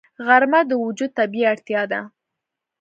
غرمه د وجود طبیعي اړتیا ده